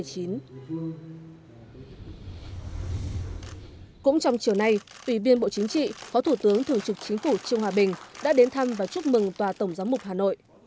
cũng trong chiều nay ủy viên bộ chính trị phó thủ tướng thường trực chính phủ trương hòa bình đã đến thăm và chúc mừng tòa tổng giám mục hà nội